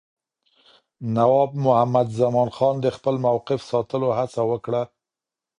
نواب محمد زمانخان د خپل موقف ساتلو هڅه وکړه.